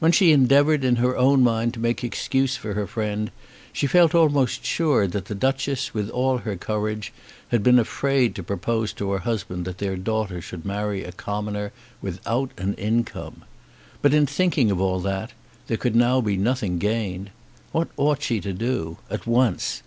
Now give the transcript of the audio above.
When she endeavoured, in her own mind, to make excuse for her friend, she felt almost sure that the Duchess, with all her courage, had been afraid to propose to her husband that their daughter should marry a commoner without an income. But in thinking of all that, there could now be nothing gained. What ought she to do at once?